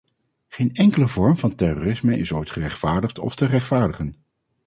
Geen enkele vorm van terrorisme is ooit gerechtvaardigd of te rechtvaardigen.